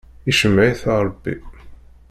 Icemmeɛ-it Ṛebbi.